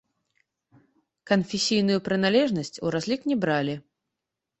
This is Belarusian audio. Канфесійную прыналежнасць у разлік не бралі.